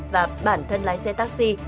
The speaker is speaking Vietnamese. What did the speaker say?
và bản thân lái xe taxi